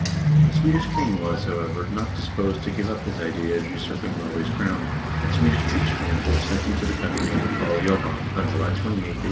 The Swedish king was, however, not disposed to give up his idea of usurping Norway's crown, and Swedish troops were therefore sent into the country under Carl Johan, on July 28th, 1814.